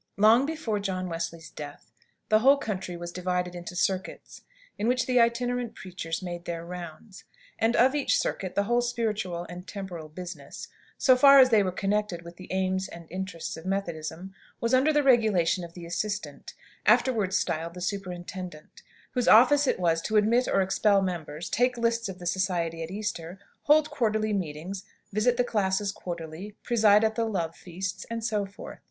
Long before John Wesley's death, the whole country was divided into circuits, in which the itinerant preachers made their rounds; and of each circuit the whole spiritual and temporal business so far as they were connected with the aims and interests of Methodism was under the regulation of the assistant (afterwards styled the superintendent), whose office it was to admit or expel members, take lists of the society at Easter, hold quarterly meetings, visit the classes quarterly, preside at the love feasts, and so forth.